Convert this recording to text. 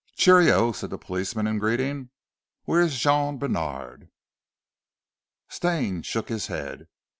"Cheero," said the policeman in greeting. "Where's Jean Bènard?" Stane shook his head.